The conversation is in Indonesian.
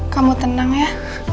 kamu tenang ya